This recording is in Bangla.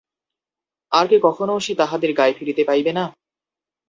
আর কি কখনও সে তাহাদের গায়ে ফিরিতে পাইবে না?